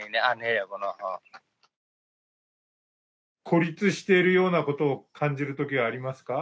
孤立しているようなことを感じる時はありますか？